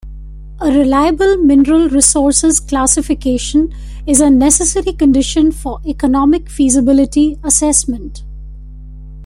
A reliable mineral resources classification is a necessary condition for economic feasibility assessment.